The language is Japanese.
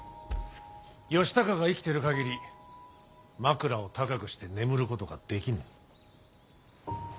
義高が生きてる限り枕を高くして眠ることができぬ。